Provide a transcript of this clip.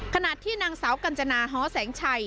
ขณะที่นางสาวกัญจนาฮอแสงชัย